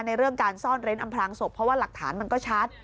เรื่องการซ่อนเร้นอำพลางศพเพราะว่าหลักฐานมันก็ชัด